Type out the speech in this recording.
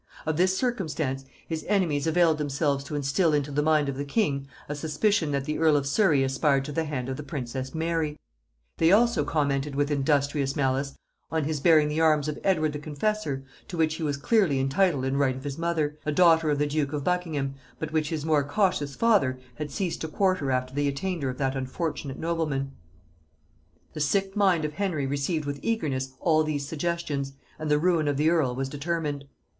Of this circumstance his enemies availed themselves to instil into the mind of the king a suspicion that the earl of Surry aspired to the hand of the princess Mary; they also commented with industrious malice on his bearing the arms of Edward the Confessor, to which he was clearly entitled in right of his mother, a daughter of the duke of Buckingham, but which his more cautious father had ceased to quarter after the attainder of that unfortunate nobleman. The sick mind of Henry received with eagerness all these suggestions, and the ruin of the earl was determined.